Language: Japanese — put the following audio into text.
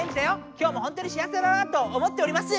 今日もほんとに幸せだなと思っております。